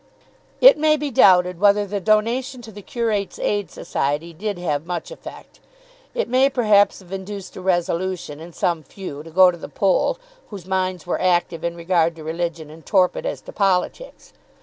It may be doubted whether the donation to the Curates' Aid Society did have much effect. It may perhaps have induced a resolution in some few to go to the poll whose minds were active in regard to religion and torpid as to politics.